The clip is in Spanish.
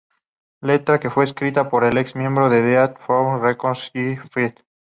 La letra fue escrita por el ex miembro de Death Row Records, J-Flexx.